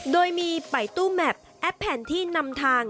โดยมีไปตู้แมพแอปแผนที่นำทาง